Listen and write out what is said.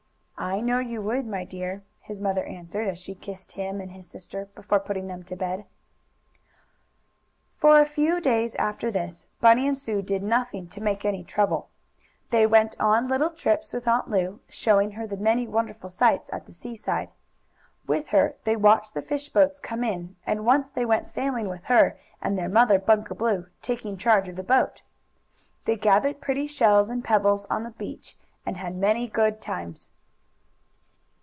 "I know you would, my dear," his mother answered, as she kissed him and his sister, before putting them to bed. For a few days after this Bunny and Sue did nothing to make any trouble. They went on little trips with Aunt Lu, showing her the many wonderful sights at the seaside. With her they watched the fish boats come in, and once they went sailing with her and their mother, Bunker Blue taking charge of the boat. They gathered pretty shells and pebbles on the beach and had many good times.